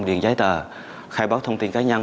điền giấy tờ khai báo thông tin cá nhân